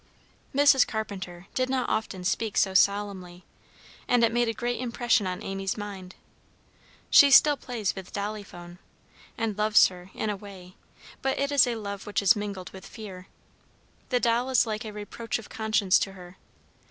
Mrs. Carpenter did not often speak so solemnly, and it made a great impression on Amy's mind. She still plays with Dolly Phone, and loves her, in a way, but it is a love which is mingled with fear. The doll is like a reproach of conscience to her.